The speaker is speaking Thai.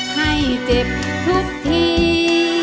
ให้เจ็บทุกที